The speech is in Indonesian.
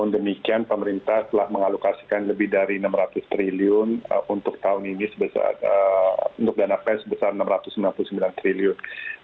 demikian pemerintah telah mengalokasikan lebih dari enam ratus triliun untuk tahun ini untuk dana pen sebesar rp enam ratus sembilan puluh sembilan triliun